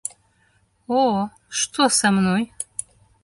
О, што са мной?